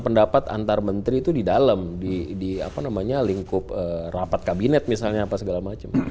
pendapat antar menteri itu di dalam di lingkup rapat kabinet misalnya apa segala macam